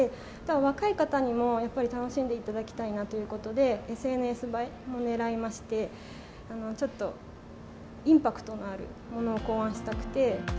若い方にもやっぱり楽しんでいただきたいなということで、ＳＮＳ映えもねらいまして、ちょっと、インパクトのあるものを考案したくて。